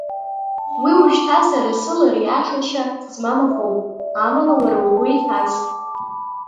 Уи ушьҭа сара сыла риашашьа змам акоуп, амала уара угәы иҭаз.